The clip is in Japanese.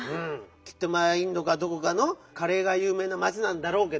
きっとまあインドかどこかのカレーがゆう名な町なんだろうけど。